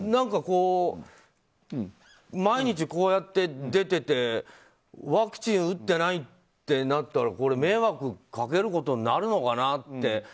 でも、毎日こうやって出ててワクチン打ってないってなったら迷惑かけることになるのかなって。